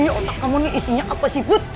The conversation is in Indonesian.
ini otak kamu ini isinya apa sih put